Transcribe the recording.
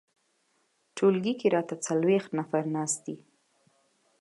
ټولګي کې راته څلویښت نفر ناست دي.